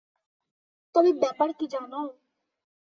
তবে ব্যাপার কী জানো?